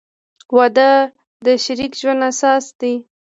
• واده د شریک ژوند اساس دی.